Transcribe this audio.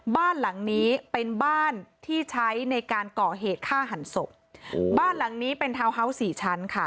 บ้านหลังนี้เป็นบ้านที่ใช้ในการก่อเหตุฆ่าหันศพบ้านหลังนี้เป็นทาวน์ฮาวส์สี่ชั้นค่ะ